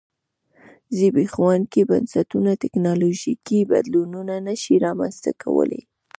زبېښونکي بنسټونه ټکنالوژیکي بدلونونه نه شي رامنځته کولای.